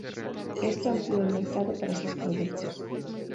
Esto amplió el mercado para sus productos.